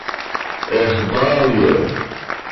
Ervália